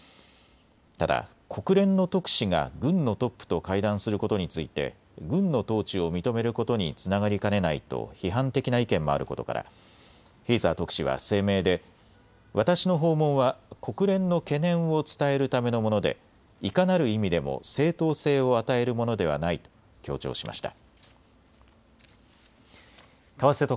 ただ国連の特使が軍のトップと会談することについて軍の統治を認めることにつながりかねないと批判的な意見もあることからヘイザー特使は声明で私の訪問は国連の懸念を伝えるためのものでいかなる意味でも正当性を与えるものではないと強調しました。